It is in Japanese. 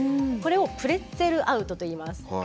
これをプレッツェルアウトといいます。